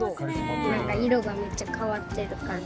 色がめっちゃ変わってる感じ。